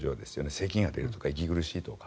せきが出るとか息苦しいとか